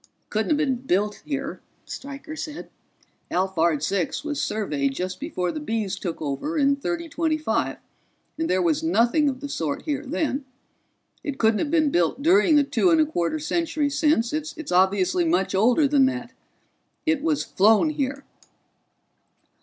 "It couldn't have been built here," Stryker said. "Alphard Six was surveyed just before the Bees took over in 3025, and there was nothing of the sort here then. It couldn't have been built during the two and a quarter centuries since; it's obviously much older than that. It was flown here."